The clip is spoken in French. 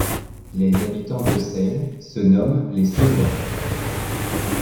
Les habitants de Celles se nomment les Cellois.